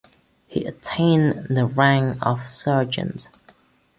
He attained the rank of sergeant.